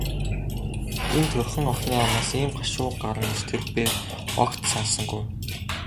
Энэ турьхан охины амнаас ийм гашуун үг гарна гэж тэр бээр огт санасангүй.